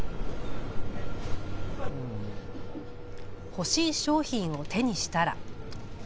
欲しい商品を手にしたら。